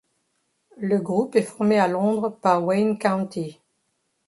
Le groupe est formé à Londres par Wayne County.